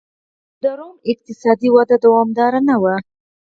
د روم اقتصادي وده دوامداره نه وه